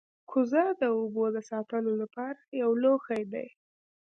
کوزه د اوبو د ساتلو لپاره یو لوښی دی